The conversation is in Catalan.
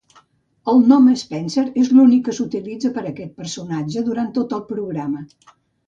El nom Spenser es l'únic que s'utilitza per aquest personatge durant tot el programa.